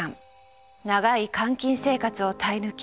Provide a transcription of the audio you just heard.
長い監禁生活を耐え抜き